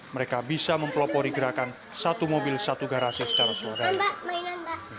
mereka bisa mempelopori gerakan satu mobil satu garasi secara swadaya